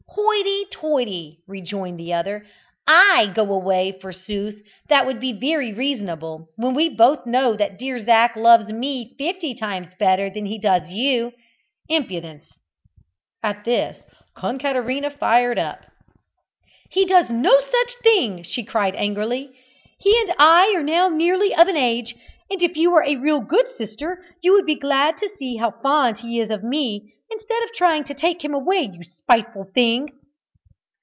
"Hoity toity!" rejoined the other. "I go away, forsooth, that would be very reasonable, when we both know that dear Zac loves me fifty times better than he does you. Impudence!" At this Concaterina fired up. "He does no such thing!" she cried angrily; "he and I are now nearly of an age, and if you were a real good sister you would be glad to see how fond he is of me, instead of trying to take him away, you spiteful thing."